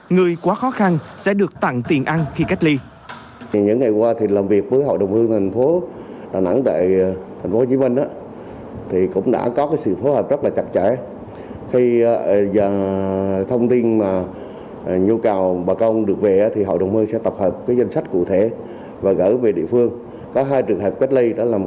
người quá khó khăn sẽ được tặng tiền ăn khi cách ly